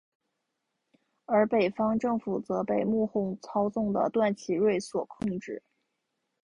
而北方政府则被幕后操纵的段祺瑞所控制。